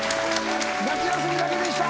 「夏休み」だけでした。